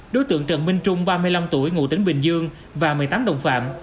đối tượng trần minh trung ba mươi năm tuổi ngụ tỉnh bình dương và một mươi tám đồng phạm